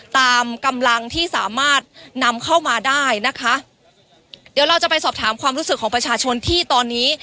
ตามกำลังที่สามารถนำเข้ามาได้นะคะเดี๋ยวเราจะไปสอบถามความรู้สึกของประชาชนที่ตอนนี้